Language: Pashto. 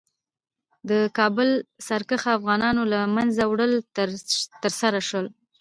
د کابل سرکښه افغانانو له منځه وړل ترسره شول.